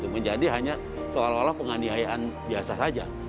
menjadi hanya seolah olah penganiayaan biasa saja